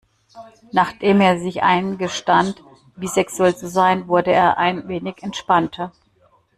Nachdem er sich eingestand, bisexuell zu sein, wurde er ein wenig entspannter.